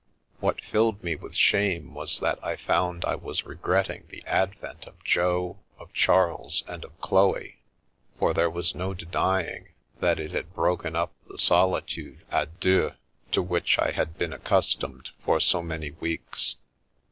What filled me with shame was that I found I was regretting the advent of Jo, of Charles and of Chloe, for there was no denying that it had broken up the soli tude d deux to which I had been accustomed for so many weeks.